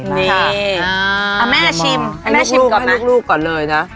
ค่ะเอาแม่ชิมให้แม่ชิมก่อนมาให้ลูกก่อนเลยนะ